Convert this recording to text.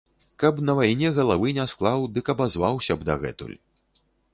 Каб на вайне галавы не склаў, дык абазваўся б дагэтуль.